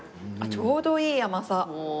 ちょうどいい甘さ！